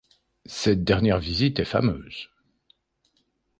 Cette dernière visite est fameuse.